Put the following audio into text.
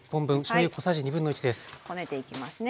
こねていきますね。